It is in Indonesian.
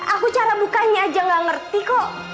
aku cara bukanya aja gak ngerti kok